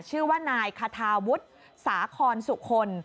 ชื่อว่านายคาทาวุฒิสาคอนสุคล